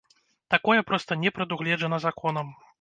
Такое проста не прадугледжана законам.